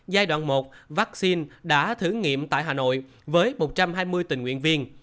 giai đoạn một vaccine đã thử nghiệm tại hà nội với một trăm hai mươi tình nguyện viên